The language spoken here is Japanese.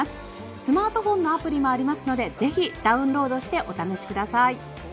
スマートフォンアプリもありますのでぜひダウンロードしてお試しください。